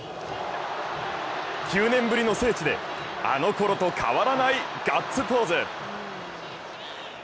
９年ぶりの聖地で、あの頃と変わらないガッツポーズ。